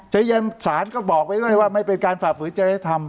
จริยธรรมสารก็บอกไว้ว่าไม่เป็นการฝ่าฝืนจริยธรรมอืม